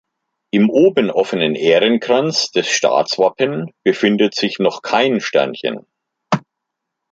Im oben offenen Ährenkranz des Staatswappen befindet sich noch kein Sternchen.